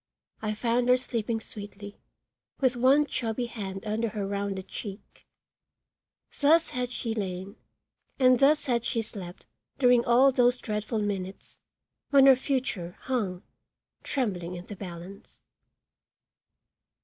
I found her sleeping sweetly, with one chubby hand under her rounded cheek. Thus had she lain and thus had she slept during all those dreadful minutes, when her future hung, trembling in the balance.